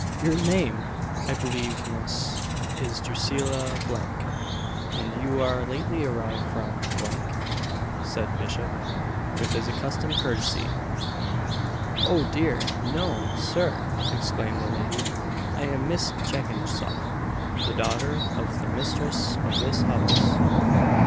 "Your name, I believe Miss, is Drusilla , and you are lately arrived from ?" said Bishop, with his accustomed courtesy. "O dear, no, Sir!" exclaimed the lady. "I am Miss Jenkinsop, the daughter of the mistress of this house."